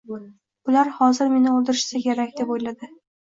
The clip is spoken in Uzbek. Bular hozir meni o‘ldirishsa kerak, deb o‘yladi.